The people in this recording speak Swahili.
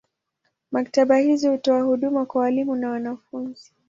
Maktaba hizi hutoa huduma kwa walimu na wanafunzi.